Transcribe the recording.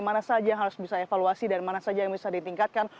mana saja yang harus bisa evaluasi dan mana saja yang bisa ditingkatkan